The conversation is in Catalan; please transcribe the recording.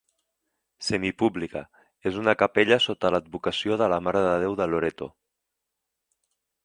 Semipública, és una capella sota l'advocació de la Mare de Déu de Loreto.